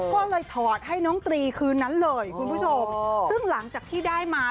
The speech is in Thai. ก็เลยถอดให้น้องตรีคืนนั้นเลยคุณผู้ชมซึ่งหลังจากที่ได้มา